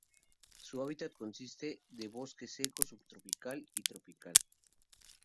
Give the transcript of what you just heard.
Su hábitat consiste de bosque seco subtropical y tropical.